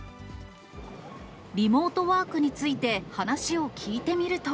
リモートワークについて話を聞いてみると。